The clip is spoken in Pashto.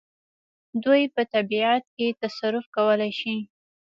دوی په طبیعت کې تصرف کولای شي.